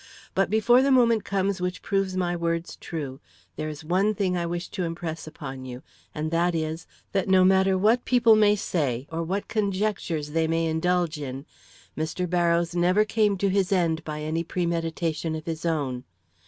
But before the moment comes which proves my words true, there is one thing I wish to impress upon you, and that is: That no matter what people may say, or what conjectures they may indulge in, Mr. Barrows never came to his end by any premeditation of his own.